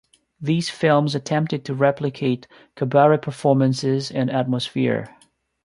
These films attempted to replicate cabaret performances and atmosphere.